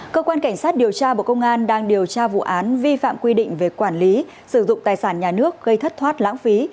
cơ quan cảnh sát điều tra bộ công an đang điều tra vụ án vi phạm quy định về quản lý sử dụng tài sản nhà nước gây thất thoát lãng phí